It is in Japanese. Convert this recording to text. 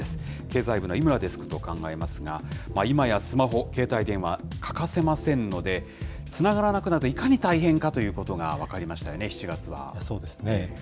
経済部の井村デスクと考えますが、今や、スマホ、携帯電話、欠かせませんので、つながらなくなると、いかに大変かということが分かりそうですね。